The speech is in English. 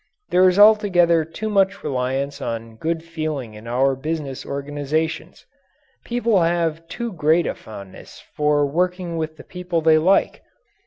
There is altogether too much reliance on good feeling in our business organizations. People have too great a fondness for working with the people they like.